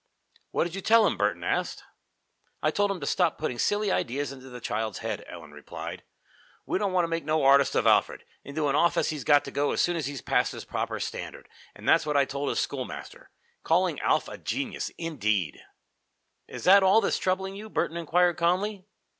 "What did you tell him?" Burton asked. "I told him to stop putting silly ideas into the child's head," Ellen replied. "We don't want to make no artist of Alfred. Into an office he's got to go as soon as he's passed his proper standard, and that's what I told his schoolmaster. Calling Alf a genius, indeed!" "Is this all that's troubling you?" Burton inquired calmly.